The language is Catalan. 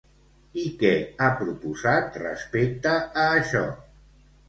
I què ha proposat respecte a això?